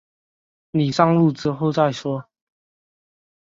你上路之后再说